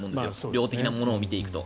量的なものを見ていくと。